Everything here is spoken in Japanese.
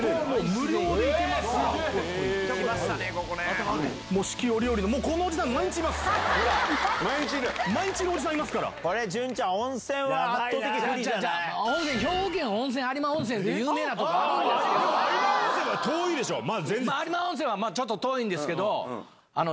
有馬温泉はちょっと遠いんですけど。